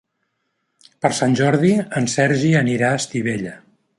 Per Sant Jordi en Sergi anirà a Estivella.